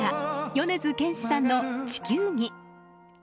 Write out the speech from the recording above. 米津玄師さんの「地球儀」。